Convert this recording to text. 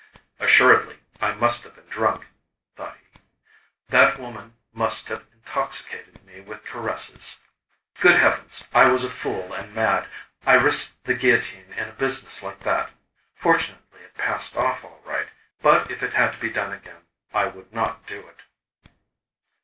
"Assuredly, I must have been drunk," thought he; "that woman must have intoxicated me with caresses. Good heavens! I was a fool and mad! I risked the guillotine in a business like that. Fortunately it passed off all right. But if it had to be done again, I would not do it."